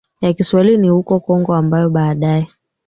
ya Kiswahili ni huko Kongo ambayo baadaye